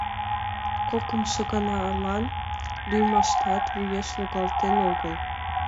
Кокымшо ганалан лӱйымаштат вуеш логалтен огыл.